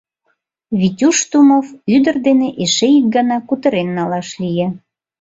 Витюш Тумов ӱдыр дене эше ик гана кутырен налаш лие.